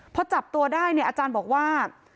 พอจับตัวได้เนี่ยอาจารย์บอกว่า